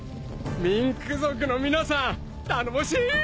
ミンク族の皆さん頼もしい！